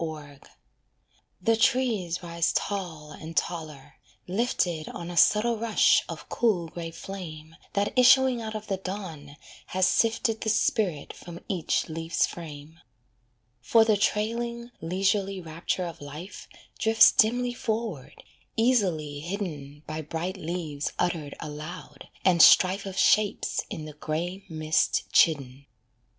COROT The trees rise tall and taller, lifted On a subtle rush of cool grey flame That issuing out of the dawn has sifted The spirit from each leaf's frame. For the trailing, leisurely rapture of life Drifts dimly forward, easily hidden By bright leaves uttered aloud, and strife Of shapes in the grey mist chidden.